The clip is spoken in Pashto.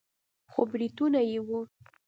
خو برېتونه يې وو.